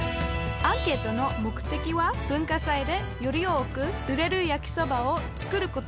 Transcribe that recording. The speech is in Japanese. アンケートの目的は文化祭でより多く売れる焼きそばを作ること。